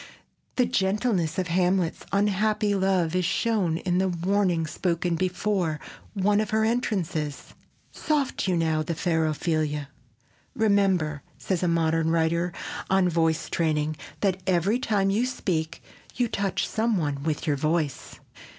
The gentleness of Hamlet's unhappy love is shown in the warning spoken before one of her entrances: "Soft you now, the fair Ophelia." "Remember," says a modern writer on voice training: "that every time you speak you touch some one with your voice."